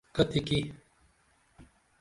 کتیکی؟